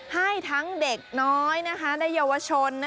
ให้ทั้งเด็กน้อยและเยาวชน